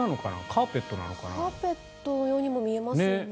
カーペットのようにも見えますね。